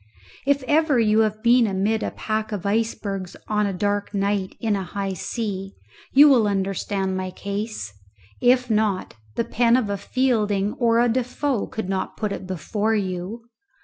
If ever you have been amid a pack of icebergs on a dark night in a high sea you will understand my case; if not, the pen of a Fielding or a Defoe could not put it before you.